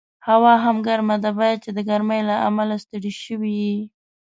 هوا هم ګرمه ده، باید چې د ګرمۍ له امله ستړی شوي یې.